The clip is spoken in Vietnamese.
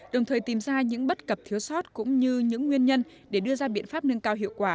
đồng thời tìm ra những bất cập thiếu sót cũng như những nguyên nhân để đưa ra biện pháp nâng cao hiệu quả